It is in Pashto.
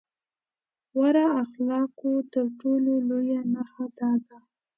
غوره اخلاقو تر ټولو لويه نښه دا ده.